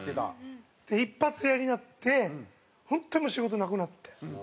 で一発屋になって本当にもう仕事なくなって。